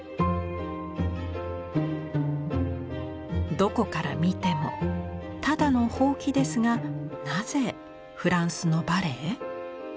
どこから見てもただのほうきですがなぜ「フランスのバレエ」？